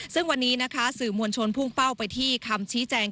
ซึ่งวันนี้นะคะสื่อมวลชนพุ่งเป้าไปที่คำชี้แจง